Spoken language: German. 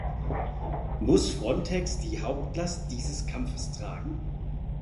Muss Frontex die Hauptlast dieses Kampfes tragen?